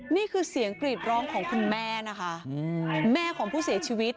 นี่คือเสียงกรีดร้องของคุณแม่นะคะแม่ของผู้เสียชีวิต